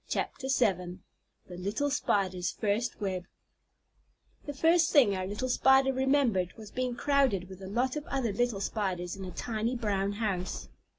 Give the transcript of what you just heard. THE LITTLE SPIDER'S FIRST WEB The first thing our little Spider remembered was being crowded with a lot of other little Spiders in a tiny brown house.